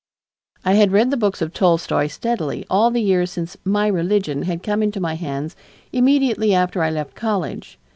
I had read the books of Tolstoy steadily all the years since "My Religion" had come into my hands immediately after I left college.